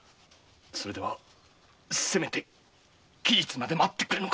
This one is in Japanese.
ではせめて期日まで待ってくれぬか。